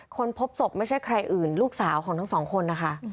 พบศพไม่ใช่ใครอื่นลูกสาวของทั้งสองคนนะคะ